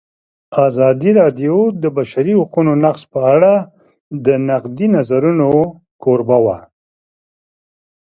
ازادي راډیو د د بشري حقونو نقض په اړه د نقدي نظرونو کوربه وه.